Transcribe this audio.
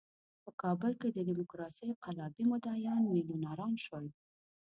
په کابل کې د ډیموکراسۍ قلابي مدعیان میلیونران شول.